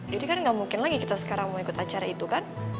jadi kan gak mungkin lagi kita sekarang mau ikut acara itu kan